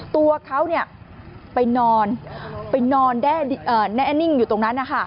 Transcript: ตัวเขาไปนอนไปนอนแน่นิ่งอยู่ตรงนั้น